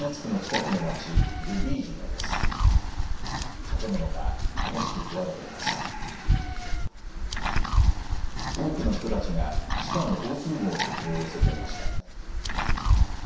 多くの人たちが地下の防空ごうに身を寄せていました。